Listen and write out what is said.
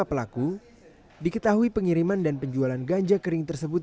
para pelaku diketahui pengiriman dan penjualan ganja kering tersebut